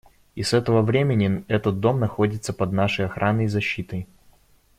И с этого времени этот дом находится под нашей охраной и защитой.